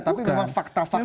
tapi memang fakta fakta